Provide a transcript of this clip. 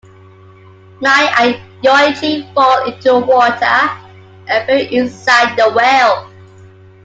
Mai and Yoichi fall into the water, appearing inside the well.